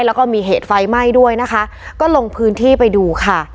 แล้วก็มีเหตุไฟไหม้ด้วยนะคะก็ลงพื้นที่ไปดูค่ะ